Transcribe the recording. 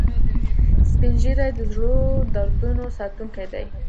سپین ږیری د زړو دودونو ساتونکي دي